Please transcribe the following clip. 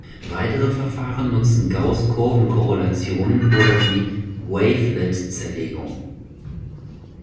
Weitere Verfahren nutzen Gauß-Kurven-Korrelationen oder die Wavelet-Zerlegung.